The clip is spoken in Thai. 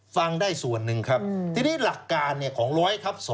ฟังได้ส่วนหนึ่งครับทีนี้หลักการของ๑๐๐ทับ๒